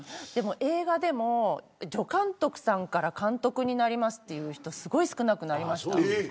でも映画でも助監督さんから監督になりますって言う人すごい少なくなりました。